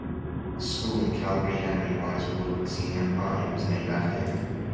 A school in Calgary, Henry Wise Wood Senior High, was named after him.